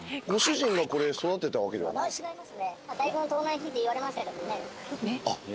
違いますね。